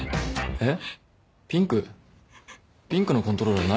えっ？